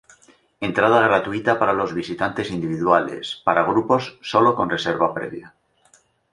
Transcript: Entrada gratuita para los visitantes individuales, para grupos sólo con reserva previa.